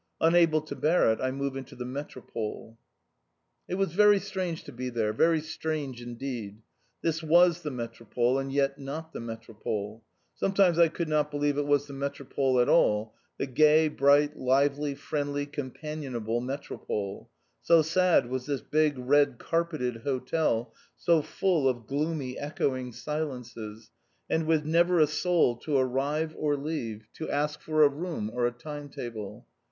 Unable to bear it, I moved into the Métropole. It was very strange to be there, very strange indeed! This was the Métropole and yet not the Métropole! Sometimes I could not believe it was the Métropole at all the gay, bright, lively, friendly, companionable Métropole so sad was this big red carpeted hotel, so full of gloomy echoing silences, and with never a soul to arrive or leave, to ask for a room or a time table.